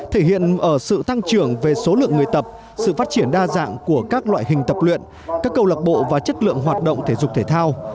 thể hiện ở sự tăng trưởng về số lượng người tập sự phát triển đa dạng của các loại hình tập luyện các câu lạc bộ và chất lượng hoạt động thể dục thể thao